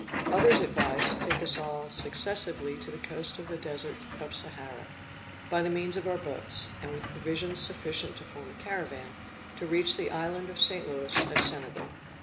Others advised to take us all successively to the coast of the desert of Sahara, by the means of our boats, and with provisions sufficient to form a caravan, to reach the island of Saint Louis, at Senegal.